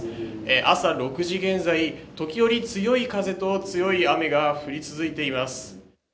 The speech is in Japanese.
朝６時現在、時折、強い風と強い雨が降り続いています。